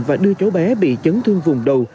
và đưa cháu bé bị chấn thương vùng đầu